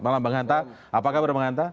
selamat malam bang hanta apakah berapa hanta